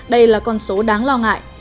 đây là con số đáng lo ngại